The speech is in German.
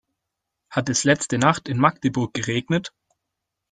Hat es letzte Nacht in Magdeburg geregnet?